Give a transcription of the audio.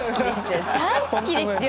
大好きですよ。